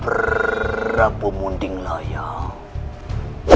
berapa mending layak